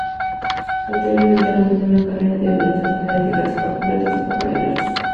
Posteriormente abandono la carrera de Letras, para dedicarse por completo a su formación artística.